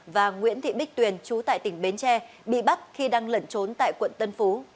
và nguyễn thị bích tuyền chú tại tỉnh bến tre bị bắt khi đang lẩn trốn tại quận tân phú